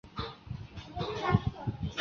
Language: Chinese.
昏黄的橘色光芒映照着街景